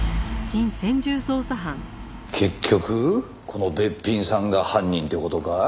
結局このべっぴんさんが犯人って事か？